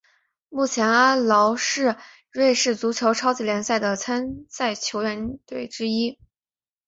目前阿劳是瑞士足球超级联赛的参赛球队之一。